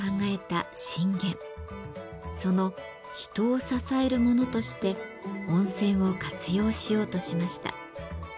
その人を支えるものとして温泉を活用しようとしました。